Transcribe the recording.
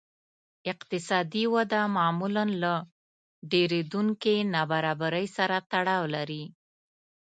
اقتصادي وده معمولاً له ډېرېدونکې نابرابرۍ سره تړاو لري